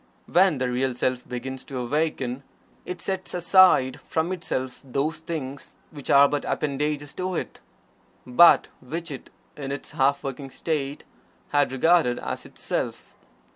When the Real Self begins to awaken, it sets aside from itself those things which are but appendages to it, but which it, in its half waking state, had regarded as its Self.